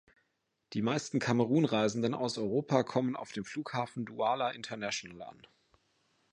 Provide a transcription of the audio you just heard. Die meisten Kamerun-Reisenden aus Europa kommen auf dem Flughafen Douala International an.